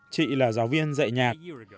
chị là giáo viên dạy nhạc